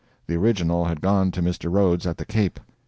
The original had gone to Mr. Rhodes at the Cape.